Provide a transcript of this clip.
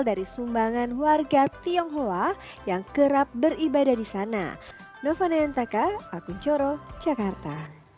dari sumbangan warga tionghoa yang kerap beribadah di sana nova nayantaka akun coro jakarta